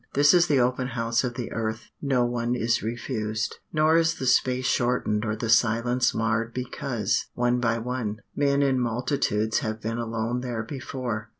This is the open house of the earth; no one is refused. Nor is the space shortened or the silence marred because, one by one, men in multitudes have been alone there before.